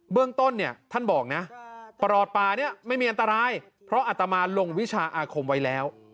เรื่องต้นเนี่ยท่านบอกนะประหลอดป่านี้ไม่มีอันตรายเพราะอัตมาลงวิชาอาคมไว้แล้ว